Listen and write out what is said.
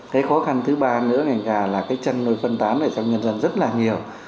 cái khó khăn thứ ba nữa là cái chân nuôi phân tán này trong nhân dân rất là nhiều